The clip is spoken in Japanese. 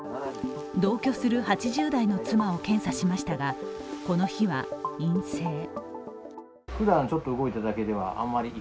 同居する８０代の妻を検査しましたが、この日は陰性。